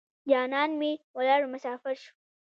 جانان مې ولاړو مسافر شو.